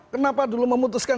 kenapa dulu memutuskan